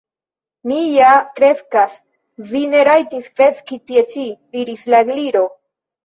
"Mi ja kreskas." "Vi ne rajtas kreski tie ĉi," diris la Gliro.